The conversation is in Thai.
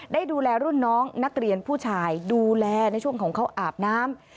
ได้ดูแลรุ่นน้องนักเรียนผู้ชายดูแลในช่วงของเขาอาบน้ำ